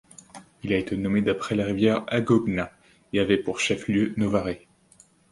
Il a été nommé d'après la rivière Agogna, et avait pour chef-lieu Novare.